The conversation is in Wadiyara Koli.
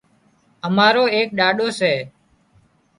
امارو ايڪ ڏاڏو سي